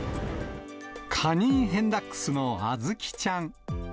カニンヘンダックスのあずきちゃん。